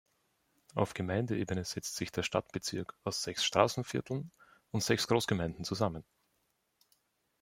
Auf Gemeindeebene setzt sich der Stadtbezirk aus sechs Straßenvierteln und sechs Großgemeinden zusammen.